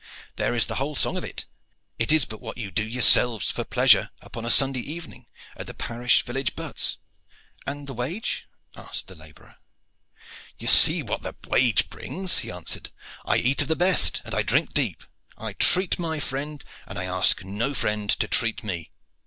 There is the whole song of it. It is but what you do yourselves for pleasure upon a Sunday evening at the parish village butts." "And the wage?" asked a laborer. "You see what the wage brings," he answered. "I eat of the best, and I drink deep. I treat my friend, and I ask no friend to treat me.